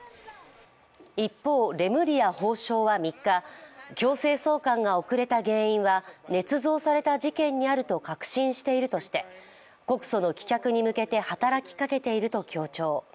一方、レムリヤ法相は３日、強制送還が遅れた原因はねつ造された事件にあると確信しているとして告訴の棄却に向けて働きかけていると強調。